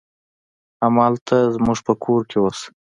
همالته زموږ په کور کې اوسه.